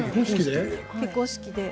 結婚式で。